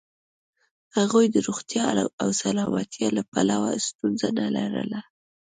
هغوی د روغتیا او سلامتیا له پلوه ستونزه نه لرله.